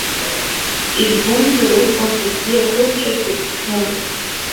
Избон сара усҟан сыбзиахозшәа сыԥсны.